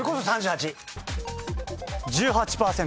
１８％。